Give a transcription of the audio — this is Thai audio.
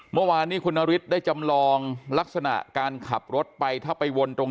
เมื่อวานนี้คุณนฤทธิ์ได้จำลองลักษณะการขับรถไปถ้าไปวนตรง